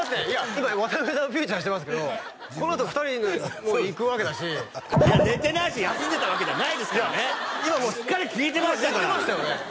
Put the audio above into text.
今渡辺さんをフィーチャーしてますけどこのあと２人にもいくわけだしいや寝てないし休んでたわけじゃないですからねしっかり聞いてましたから寝てましたよね？